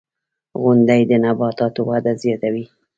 • غونډۍ د نباتاتو وده زیاتوي.